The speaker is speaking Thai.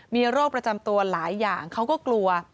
มีโรคประจำตัวหลายอย่างเขาก็กลัว